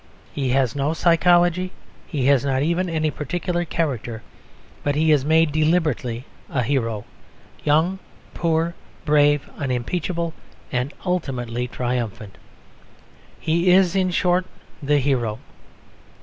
He has no psychology; he has not even any particular character; but he is made deliberately a hero young, poor, brave, unimpeachable, and ultimately triumphant. He is, in short, the hero.